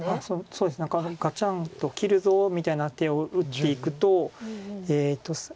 そうですねガチャンと切るぞみたいな手を打っていくと。